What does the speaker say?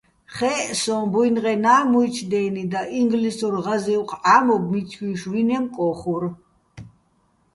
ხე́ჸ სოჼ, ბუჲნღენა́ჲ მუჲჩო̆ დე́ნი ბა, ინგლისურ ღაზი́ვხ ჺამობ მიჩუ́ჲშვ, ვინემ კო́ხურ.